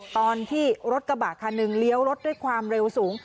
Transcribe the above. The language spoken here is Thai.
ตอนที่รถกระบะคันหนึ่งเลี้ยวรถด้วยความเร็วสูง